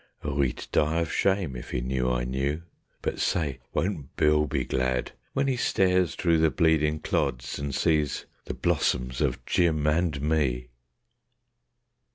Oh, 'e'd die of shame if 'e knew I knew; but say! won't Bill be glad When 'e stares through the bleedin' clods and sees the blossoms of Jim and me?